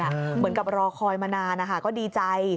เหมือนกับรอคอยมานานนะคะก็ดีใจ